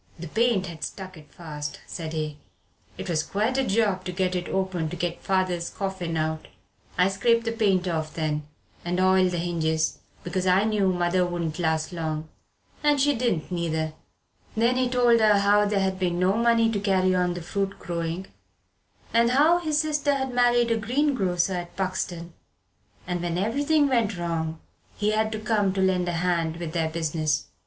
"The paint had stuck it fast," said he, "it was quite a job to get it open to get father's coffin out. I scraped the paint off then, and oiled the hinges, because I knew mother wouldn't last long. And she didn't neither." Then he told her how there had been no money to carry on the fruit growing, and how his sister had married a greengrocer at Buxton, and when everything went wrong he had come to lend a hand with their business.